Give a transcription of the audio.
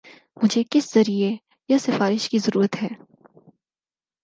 مجھے کس ذریعہ یا سفارش کی ضرورت ہے